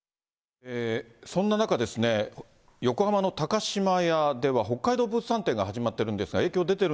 そんな中ですね、横浜の高島屋では北海道物産展が始まってるんですが、影響出てる